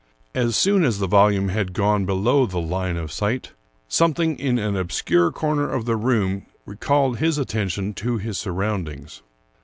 As soon as the vol ume had gone below the line of sight, something in an obscure corner of the room recalled his attention to his surroundings.